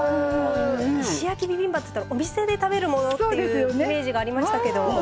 石焼きビビンバっつったらお店で食べるものっていうイメージがありましたけど。